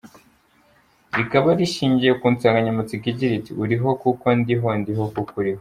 Rikaba rishingiye ku nsanganyamatsiko igira iti “Uriho kuko ndiho, ndiho kuko uriho”.